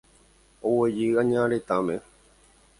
Oguejy añaretãme.